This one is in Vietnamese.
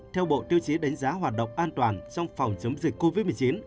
theo bộ tiêu chí đánh giá hoạt động an toàn trong phòng chống dịch covid một mươi chín